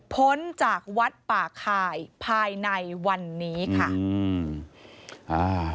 พ้นจากวัดป่าข่ายภายในวันนี้ค่ะอืมอ่า